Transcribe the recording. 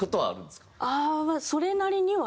ああそれなりには。